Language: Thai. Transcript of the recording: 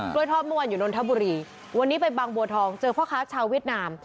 ทอดเมื่อวานอยู่นนทบุรีวันนี้ไปบางบัวทองเจอพ่อค้าชาวเวียดนาม